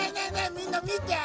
みんなみて！